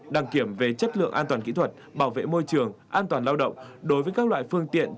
đăng kiểm về chất lượng an toàn kỹ thuật bảo vệ môi trường an toàn lao động đối với các loại phương tiện